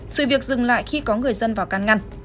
sự việc dừng lại khi có người dân vào can ngăn